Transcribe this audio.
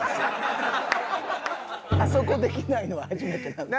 あそこできないのは初めてなんです。